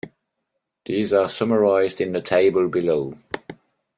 These are summarised in the table below.